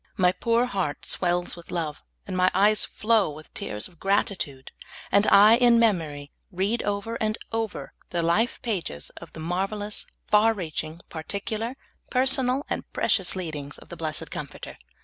M}" poor heart swells with love and my eyes flow with tears of gratitude, and I in memory read over and over the life pages of the mar\^elous, far reaching, particular, personal, and precious leadings of the blessed Comforter.